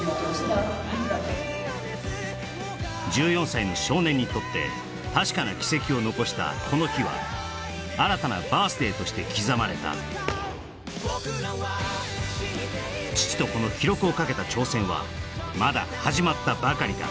１４歳の少年にとって確かな軌跡を残したこの日は新たなバース・デイとして刻まれた父と子の記録をかけた挑戦はまだ始まったばかりだ